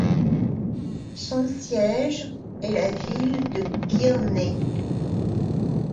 Son siège est la ville de Kearney.